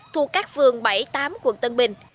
thuộc các phường bảy tám quận tân bình